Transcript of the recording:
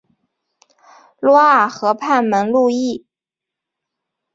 卢瓦尔河畔蒙路易。